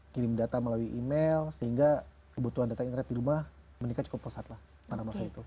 kirim data melalui email sehingga kebutuhan data internet di rumah meningkat cukup pesat lah pada masa itu